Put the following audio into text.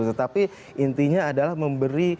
tetapi intinya adalah memberi